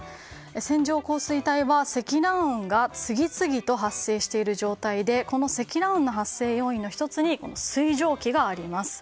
線状降水帯は積乱雲が次々と発生している状態でこの積乱雲の発生要因の１つに水蒸気があります。